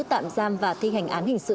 tạm giam và thi hành án hình sự